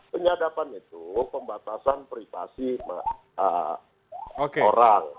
penyadapan itu pembatasan privasi orang